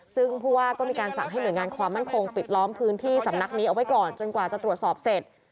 ซึ่งผู้ว่าก็มีการสั่งให้หน่วยงานความมั่นคงปิดล้อมพื้นที่สำนักนี้เอาไว้ก่อนจนกว่าจะตรวจสอบเสร็จ